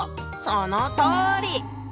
そのとおり！